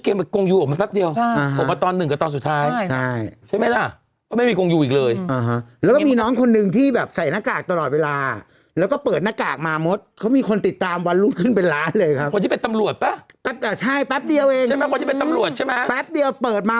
ขึ้นเป็นร้านเลยครับครับแต่ช่างแป๊บเดียวใช่ไหมแป๊บเดียวเปิดมา